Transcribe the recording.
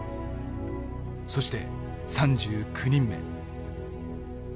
そして３９人目。